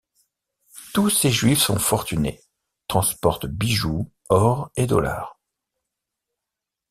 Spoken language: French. Tous ces Juifs sont fortunés, transportent bijoux, or et dollars.